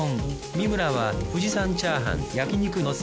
三村は富士山チャーハン焼肉のせ。